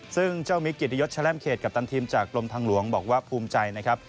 ซึ่งเจ้ามิกเกียรติยศแลมเขตกัปตันทีมจากกรมทางหลวงบอกว่าภูมิใจนะครับ